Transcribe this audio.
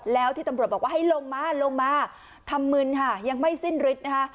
แล้วที่ตำรวจบอกว่าให้ลงมาลงมาทำมึนค่ะยังไม่สิ้นฤทธินะคะ